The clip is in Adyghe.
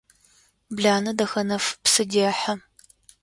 Бланэ Дахэнэф псы дехьы.